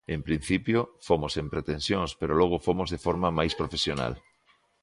En principio fomos sen pretensións, pero logo fomos de forma máis profesional.